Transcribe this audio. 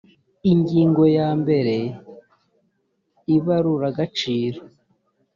ingingo ya mbere ibaruragaciro